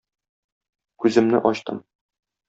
Күземне ачтым.